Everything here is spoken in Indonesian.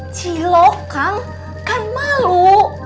cilok kang kan malu